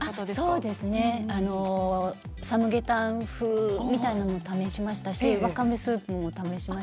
そうですねサムゲタン風みたいなのも試しましたしわかめスープも試しましたし。